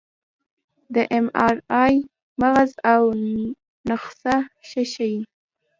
د اېم ار آی مغز او نخاع ښه ښيي.